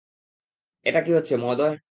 এটা কী হচ্ছে, মহোদয়।